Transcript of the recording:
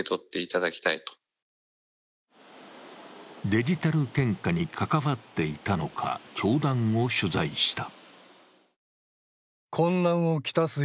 デジタル献花に関わっていたのか、教団を取材した。